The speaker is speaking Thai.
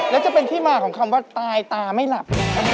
แล้วจะเป็นที่มาของคำว่าตายตาไม่หลับ